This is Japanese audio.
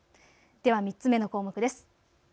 では３つ目の項目です。